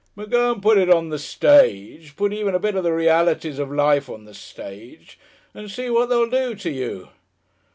But go and put it on the Stage, put even a bit of the Realities of Life on the Stage, and see what they'll do to you!